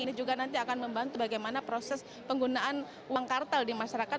ini juga nanti akan membantu bagaimana proses penggunaan uang kartal di masyarakat